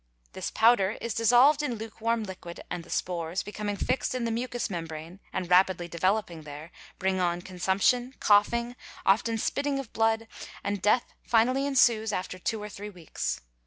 This powder is dissolved in lukewarm liquid and the spores, becoming fixed in the mucous membrane and rapidly deve . loping there, bring on consumption, coughing, often spitting of blood, and death finally ensues after two or three weeks.